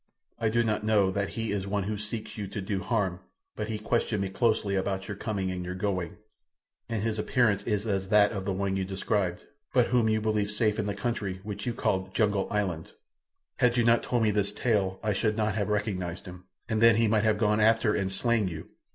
I do not know that he is one who seeks you to do you harm, but he questioned me closely about your coming and your going, and his appearance is as that of the one you described, but whom you believed safe in the country which you called Jungle Island. "Had you not told me this tale I should not have recognized him, and then he might have gone after and slain you.